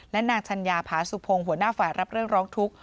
และนางชัญญาผาสุพงศ์หัวหน้าฝ่ายรับเรื่องร้องทุกข์